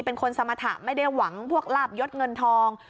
เป็นคนสมรรถะไม่ได้หวังพวกลาบยศเงินทอง